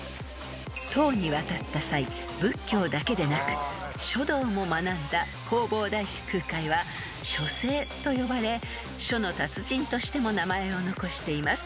［唐に渡った際仏教だけでなく書道も学んだ弘法大師空海は書聖と呼ばれ書の達人としても名前を残しています］